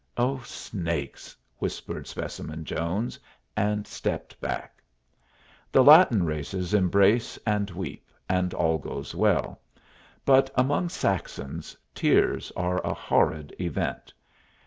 "Oh, snakes!" whispered Specimen Jones, and stepped back. The Latin races embrace and weep, and all goes well; but among Saxons tears are a horrid event.